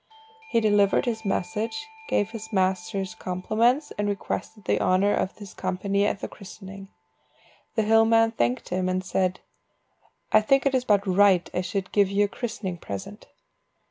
He delivered his message, gave his master's compliments, and requested the honour of his company at the christening. The hill man thanked him, and said "I think it is but right I should give you a christening present."